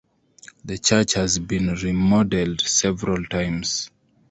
The church has been remodeled several times.